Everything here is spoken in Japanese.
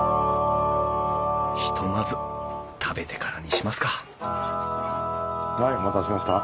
ひとまず食べてからにしますかはいお待たせしました。